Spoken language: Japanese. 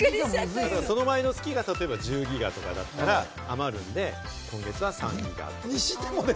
その前の月が１０ギガだったら余るので、今月は３ギガとか。